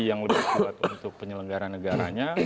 yang lebih kuat untuk penyelenggara negaranya